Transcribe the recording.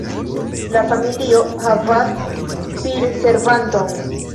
La familio havas pirservanton.